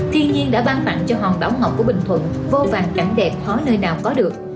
thiên nhiên đã ban mặn cho hòn đảo ngọc của bình thuận vô vàng cảnh đẹp hóa nơi nào có được